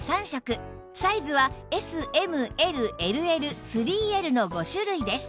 サイズは ＳＭＬＬＬ３Ｌ の５種類です